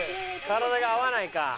体が合わないか。